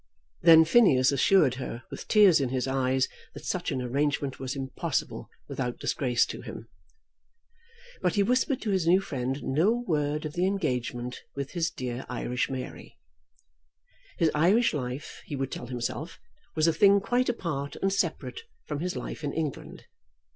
Then Phineas assured her with tears in his eyes that such an arrangement was impossible without disgrace to him. But he whispered to this new friend no word of the engagement with his dear Irish Mary. His Irish life, he would tell himself, was a thing quite apart and separate from his life in England.